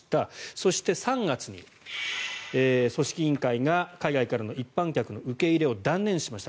そして、３月に組織委員会が海外からの一般客の受け入れを断念しました。